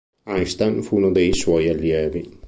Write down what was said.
Einstein fu uno dei suoi allievi.